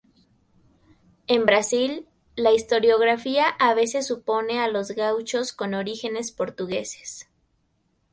En Brasil, la historiografía a veces supone a los gauchos con orígenes portugueses.